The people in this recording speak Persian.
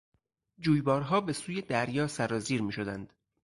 جویبارها به سوی دریا سرازیر میشدند.